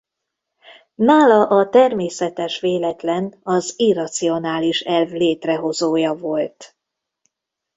Nála a természetes véletlen az irracionális elv létrehozója volt.